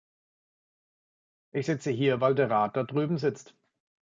Ich sitze hier, weil der Rat da drüben sitzt.